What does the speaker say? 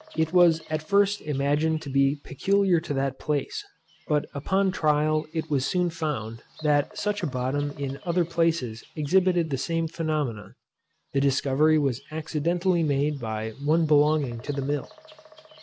It was at first imagined to be peculiar to that place; but upon trial it was soon found, that such a bottom in other places exhibited the same phenomenon. The discovery was accidentally made by one belonging to the mill."